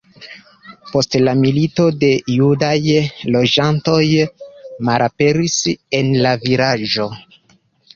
Post la milito la judaj loĝantoj malaperis el la vilaĝo.